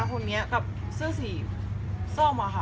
คนนี้กับเสื้อสีส้มอะค่ะ